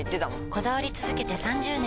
こだわり続けて３０年！